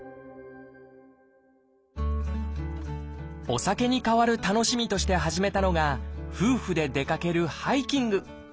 お酒に代わる楽しみとして始めたのが夫婦で出かけるハイキング。